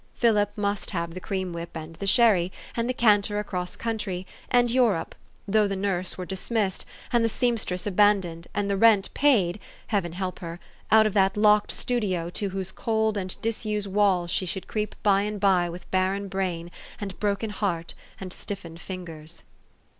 Philip must have the cream whip and the sherry, and the canter across country, and Europe, though the nurse 362 THE STORY OF AVIS. were dismissed, and the seamstress abandoned, and the rent paid Heaven help her ! out of that locked studio to whose cold and disused walls she should creep by and by with barren brain, and broken heart, and stiffened fingers.